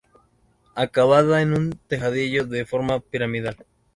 Acababa en un tejadillo de forma piramidal.